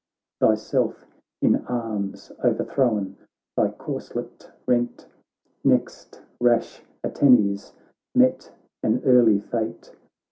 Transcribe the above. Thyself in arms o'erthrown, thy corselet rent. Next rash Antennes met an early fate.